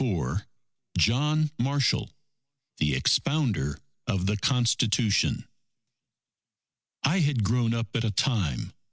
_ SEPTEMBER 24 JOHN MARSHALL THE EXPOUNDER OF THE CONSTITUTION _I had grown up at a time